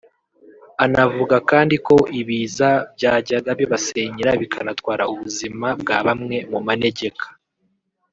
Anavuga kandi ko ibiza byajyaga bibasenyera bikanatwara ubuzima bwa bamwe mu manegeka